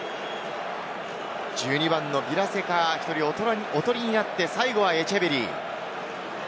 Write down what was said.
１２番のビラセカ、おとりになって最後はエチェベリー。